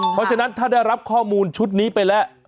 เพราะฉะนั้นถ้าได้รับข้อมูลชุดนี้ไปแล้ว